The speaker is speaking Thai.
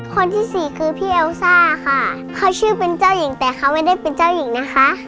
คนที่สี่คือพี่เอลซ่าค่ะเขาชื่อเป็นเจ้าหญิงแต่เขาไม่ได้เป็นเจ้าหญิงนะคะ